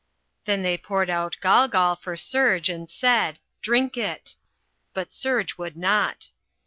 Then they poured out golgol for Serge and said, "Drink it." But Serge would not.